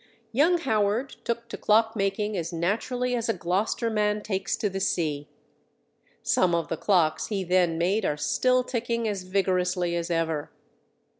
Young Howard took to clock making as naturally as a Gloucester man takes to the sea. Some of the clocks he then made are still ticking as vigorously as ever.